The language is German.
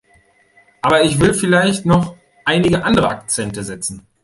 Aber ich will vielleicht noch einige andere Akzente setzen.